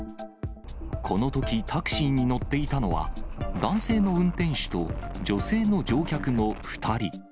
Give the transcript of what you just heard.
このとき、タクシーに乗っていたのは、男性の運転手と、女性の乗客の２人。